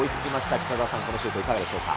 北澤さん、このシュート、いかがでしょうか。